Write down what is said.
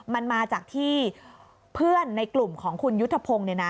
มันมาจากที่เพื่อนในกลุ่มของคุณยุทธพงศ์